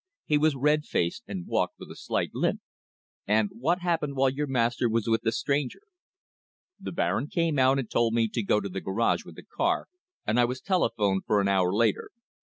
He was red faced and walked with a slight limp." "And what happened while your master was with the stranger?" "The Baron came out and told me to go to the garage with the car, and I was telephoned for an hour later.